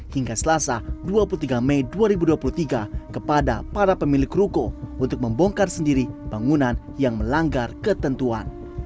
hingga selasa dua puluh tiga mei dua ribu dua puluh tiga kepada para pemilik ruko untuk membongkar sendiri bangunan yang melanggar ketentuan